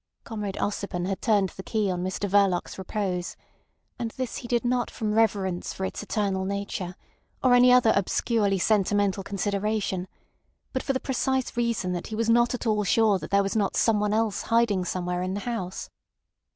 Comrade Ossipon had turned the key on Mr Verloc's repose; and this he did not from reverence for its eternal nature or any other obscurely sentimental consideration, but for the precise reason that he was not at all sure that there was not someone else hiding somewhere in the house.